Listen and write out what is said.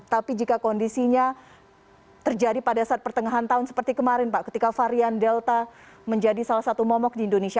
tapi jika kondisinya terjadi pada saat pertengahan tahun seperti kemarin pak ketika varian delta menjadi salah satu momok di indonesia